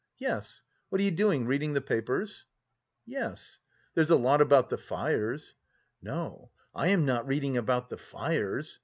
"Yes. What are you doing, reading the papers?" "Yes." "There's a lot about the fires." "No, I am not reading about the fires."